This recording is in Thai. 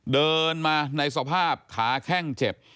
เดินมาในสภาพขาแข้งเจ็บ